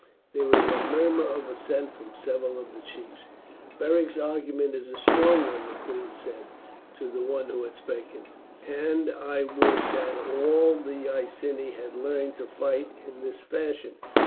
There was a murmur of assent from several of the chiefs. "Beric's argument is a strong one," the queen said to the one who had spoken; "and I would that all the Iceni had learnt to fight in this fashion.